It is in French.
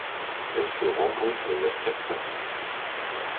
Elle se rencontre vers Cavtat.